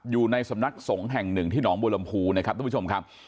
อยู่ในสำนักสงฆ์แห่งหนึ่งที่หนองบัวลำพูนะครับทุกผู้ชมครับ